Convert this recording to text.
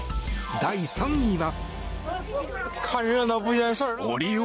第３位は。